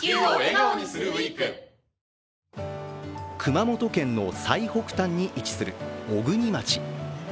熊本県の最北端に位置する小国町。